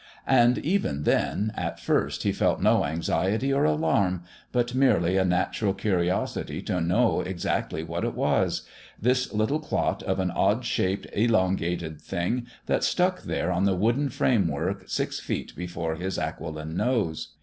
And even then, at first, he felt no anxiety or alarm, but merely a natural curiosity to know exactly what it was this little clot of an odd shaped, elongated thing that stuck there on the wooden framework six feet before his aquiline nose.